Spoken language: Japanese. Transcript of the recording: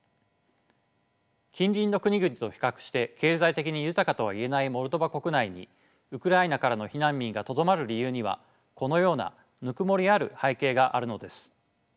近隣の国々と比較して経済的に豊かとは言えないモルドバ国内にウクライナからの避難民がとどまる理由にはこのようなぬくもりある背景があるのです。